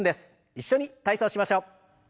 一緒に体操しましょう。